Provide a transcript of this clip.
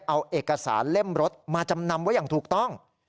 เอาเอกสารเล่มรถมาจำนำไว้อย่างถูกต้อง